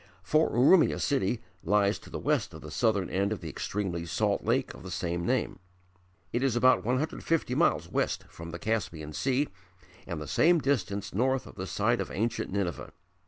For Urumia city lies to the west of the southern end of the extremely salt lake of the same name. It is about 150 miles west from the Caspian Sea and the same distance north of the site of ancient Nineveh.